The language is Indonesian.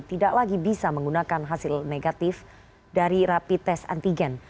tidak lagi bisa menggunakan hasil negatif dari rapi tes antigen